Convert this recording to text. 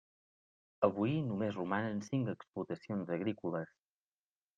Avui només romanen cinc explotacions agrícoles.